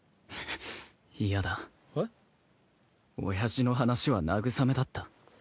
おやじの話はなぐさめだった。